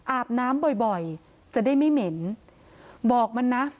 อาบน้ำบ่อยบ่อยจะได้ไม่เหม็นบอกมันนะ